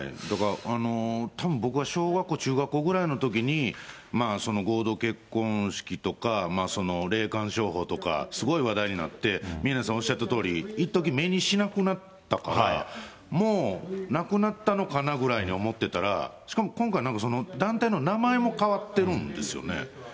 たぶん、僕は小学校、中学校ぐらいのときに、合同結婚式とか霊感商法とか、すごい話題になって、宮根さんおっしゃったとおり、いっとき目にしなくなったから、もうなくなったのかなぐらいに思ってたら、しかも今回団体の名前も変わってるんですよね。